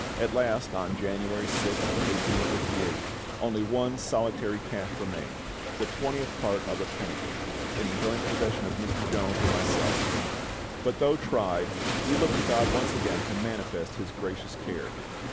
At last, on January 6th, 1858, only one solitary cash remained the twentieth part of a penny in the joint possession of Mr. Jones and myself; but though tried we looked to GOD once again to manifest His gracious care.